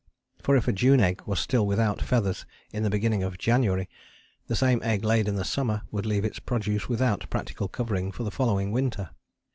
For if a June egg was still without feathers in the beginning of January, the same egg laid in the summer would leave its produce without practical covering for the following winter.